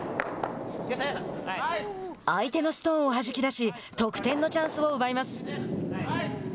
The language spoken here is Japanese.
相手のストーンをはじき出し得点のチャンスを奪います。